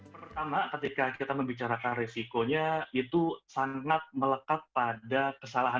pertama ketika kita membicarakan resikonya itu sangat melekat pada kesalahan